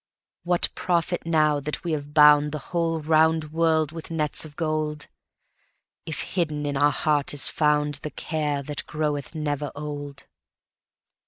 What profit now that we have boundThe whole round world with nets of gold, If hidden in our heart is foundThe care that groweth never old?